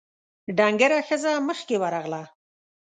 ډنګره ښځه مخکې ورغله: